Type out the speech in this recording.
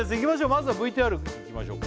まずはＶＴＲいきましょう